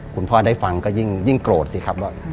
คุณพ่อได้ฟังก็ยิ่งโกรธสิครับว่า